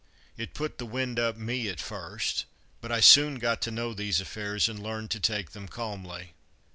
It put the "wind up" me at first, but I soon got to know these affairs, and learnt to take them calmly.